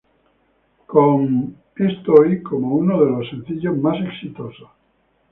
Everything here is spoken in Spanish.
Com "Es Toy" como uno de los sencillos más exitosos.